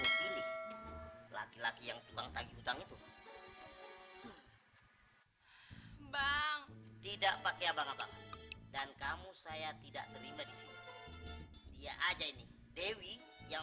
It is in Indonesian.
udah lah aku tahu kamu lagi butuh uang ya